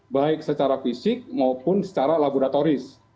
baik secara fisik maupun secara laboratoris